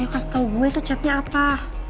ayo kasih tau gue tuh chatnya apa